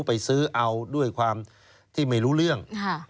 ไปซื้อเอาด้วยความที่ไม่รู้เรื่อง